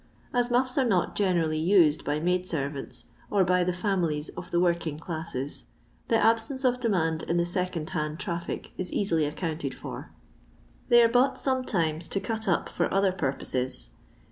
As muffs are not generally used by maid servants, or by the families of the working classei, the absenee of demand in the second hand traffic is easily accounted for. They are bought some times to ctit up for other purposes.